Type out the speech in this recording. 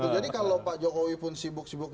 jadi kalau pak jokowi pun sibuk sibuk